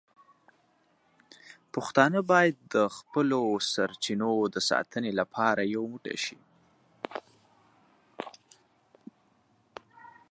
پښتانه باید د خپلو سرچینو د ساتنې لپاره یو موټی شي.